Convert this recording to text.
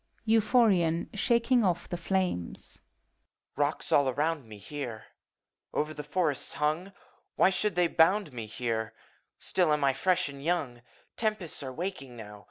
BUPHORIOir (shaking off the flames). Rocks all around me here. Over the forests hung! Why should they bound me heref ACT III. JT9 Still am I fresh and young. Temp^aiA are waking nov.